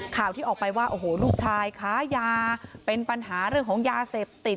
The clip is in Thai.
ข่าวที่ออกไปว่าโอ้โหลูกชายค้ายาเป็นปัญหาเรื่องของยาเสพติด